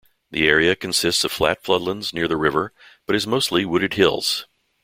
The area consists of flat floodlands near the river, but is mostly wooded hills.